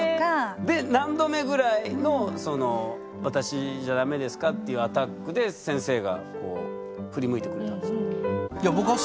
で何度目ぐらいのその私じゃだめですかっていうアタックで先生がこう振り向いてくれたんですか？